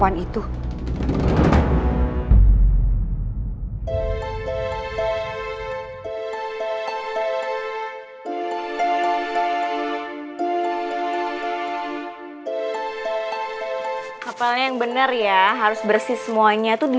jadi dia tapi ber investigators